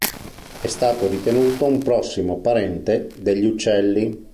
È stato ritenuto un prossimo parente degli uccelli.